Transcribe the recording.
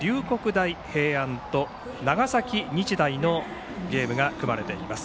大平安と長崎日大のゲームが組まれています。